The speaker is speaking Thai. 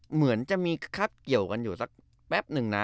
เหมือนจะมีคักเกี่ยวกันอยู่สักแป๊บนึงนะ